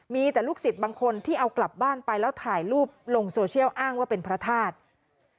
มีแต่ลูกศิษย์บางคนที่เอากลับบ้านไปแล้วถ่ายรูปลงโซเชียลอ้างว่าเป็นพระธาตุ